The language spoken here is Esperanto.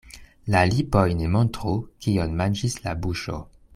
La lipoj ne montru, kion manĝis la buŝo.